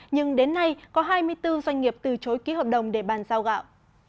nhưng đến nay có hai mươi bốn doanh nghiệp từ chối ký hợp đồng để bàn giao gạo